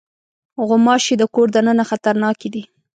غوماشې د کور دننه خطرناکې دي.